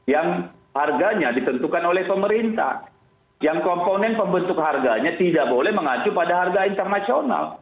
yang harganya ditentukan oleh pemerintah yang komponen pembentuk harganya tidak boleh mengacu pada harga internasional